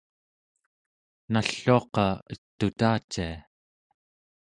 nalluaqa et'utacia